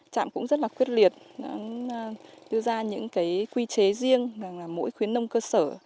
trạm cũng rất là quyết liệt đưa ra những cái quy chế riêng là mỗi khuyến nông cơ sở